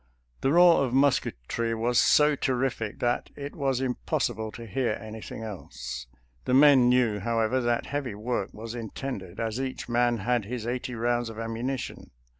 The roar of musketry was so terrific that it was impossible to hear anything else. The men knew, however, that heavy work was in tended, as each man had his eighty rounds of ammunition.